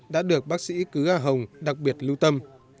đã được bác sĩ cứa hồng đặc biệt lưu tâm